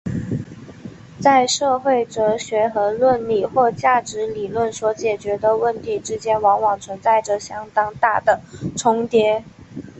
在社会哲学和伦理或价值理论所解决的问题之间往往存在着相当大的重叠。